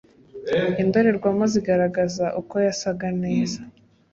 indorerwamo zigaragaza ukoyasaga neza.